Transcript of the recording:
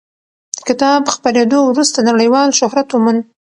د کتاب خپرېدو وروسته نړیوال شهرت وموند.